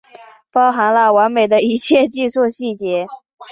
包含了完美的一切技术细节